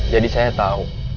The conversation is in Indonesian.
jadi saya tahu